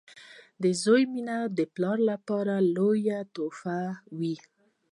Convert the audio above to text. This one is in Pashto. • د زوی مینه د پلار لپاره لویه تحفه وي.